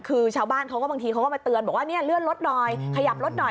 คือชาวบ้านเขาก็บางทีเขาก็มาเตือนบอกว่าเนี่ยเลื่อนรถหน่อยขยับรถหน่อย